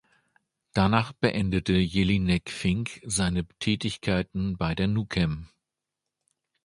Danach beendete Jelinek-Fink seine Tätigkeiten bei der Nukem.